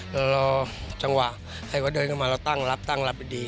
เรารอจังหวะให้เขาเดินเข้ามาเราตั้งรับตั้งรับอยู่ดี